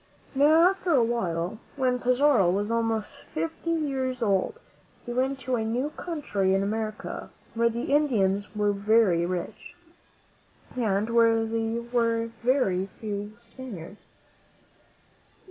Now, after a while, when Pizarro was almost fifty years old, he went to a new country in America, where the Indians were very rich, and where there were very few Spaniards.